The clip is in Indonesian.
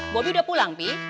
bobi udah pulang pi